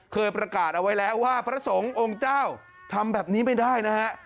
เคยประกาศเอาไว้แล้วว่าพระสงฆ์องค์เจ้าทำแบบนี้ไม่ได้นะฮะ